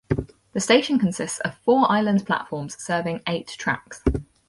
The station consists of four island platforms serving eight tracks.